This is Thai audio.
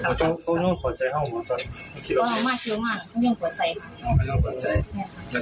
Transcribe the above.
โอ้โฮของเวอร์กำลังออกมาครับบุคเสียครับ